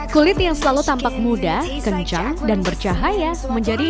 kulit yang selalu tampak muda kencang dan bercahaya menjadi impian banyak wanita